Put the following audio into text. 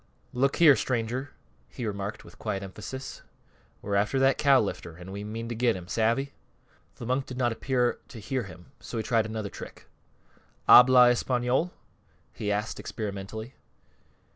"Look here, stranger," he remarked, with quiet emphasis, "we're after that cow lifter, an' we mean to get him. Savvy?" The monk did not appear to hear him, so he tried another trick. "Habla española?" he asked, experimentally.